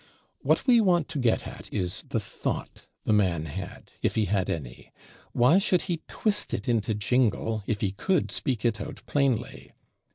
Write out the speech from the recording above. What we want to get at is the thought the man had, if he had any; why should he twist it into jingle, if he could speak it out plainly?